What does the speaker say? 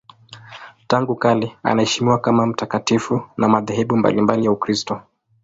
Tangu kale anaheshimiwa kama mtakatifu na madhehebu mbalimbali ya Ukristo.